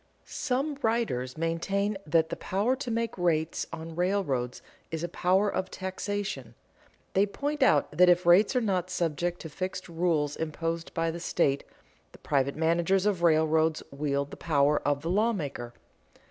_ Some writers maintain that the power to make rates on railroads is a power of taxation. They point out that if rates are not subject to fixed rules imposed by the state, the private managers of railroads wield the power of the lawmaker.